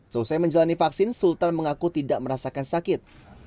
selesai menjalani vaksin sultan mengaku tidak merasakan sakit